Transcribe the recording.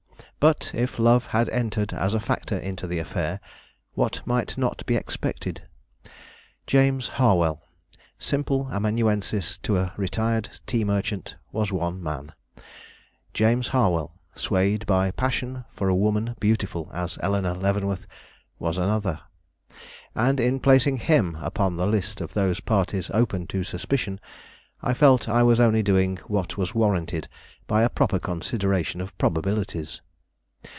But if love had entered as a factor into the affair, what might not be expected? James Harwell, simple amanuensis to a retired tea merchant, was one man; James Harwell, swayed by passion for a woman beautiful as Eleanore Leavenworth, was another; and in placing him upon the list of those parties open to suspicion I felt I was only doing what was warranted by a proper consideration of probabilities.